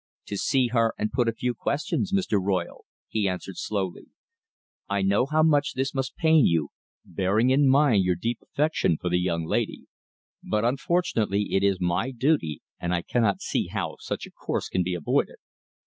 "To see her and put a few questions, Mr. Royle," he answered slowly. "I know how much this must pain you, bearing in mind your deep affection for the young lady, but, unfortunately, it is my duty, and I cannot see how such a course can be avoided."